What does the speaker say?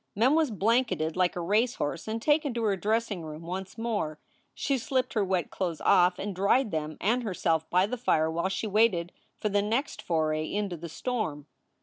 Mem was blanketed like a racehorse and taken to her dressing room once more. She slipped her wet clothes off and dried them and herself by the fire while she waited for the next foray into the storm.